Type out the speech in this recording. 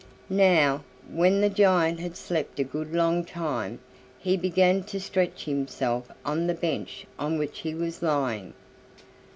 Now, when the giant had slept a good long time, he began to stretch himself on the bench on which he was lying.